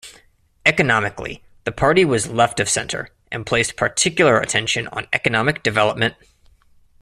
Economically, the party was left of centre, and placed particular attention on economic development.